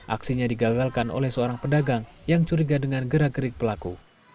aksinya digagalkan oleh seorang pedagang yang curiga dengan gerak gerik pelaku